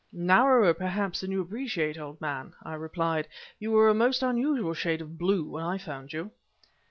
"Narrower than perhaps you appreciate, old man," I replied. "You were a most unusual shade of blue when I found you..."